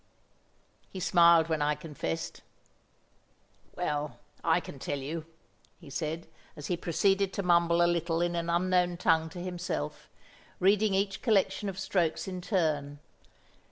He smiled when I confessed. "Well, I can tell you," he said, as he proceeded to mumble a little in an unknown tongue to himself, reading each collection of strokes in turn.